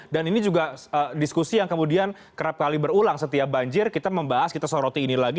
dan ini juga diskusi yang kemudian kerap kali berulang setiap banjir kita membahas kita soroti ini lagi